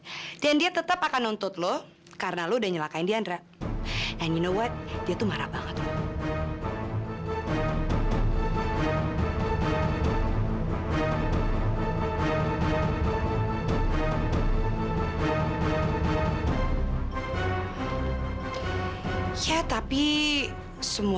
om anggap kamu sudah menjadi bagian dari keluarga kamu